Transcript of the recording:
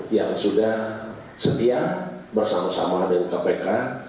yang sudah setia bersama sama dari kpk